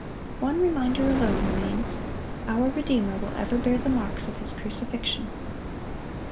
One reminder alone remains: our Redeemer will ever bear the marks of His crucifixion.